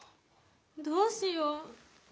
どうしよう。